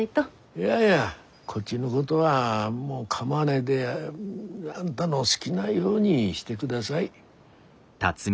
いやいやこっちのことはもうかまわないであんだの好ぎなようにしてください。